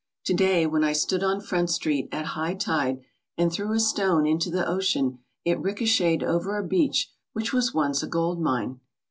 To day when I stood on Front Street at high tide and threw a stone into the ocean it rico chetted over a beach which was once a gold mine.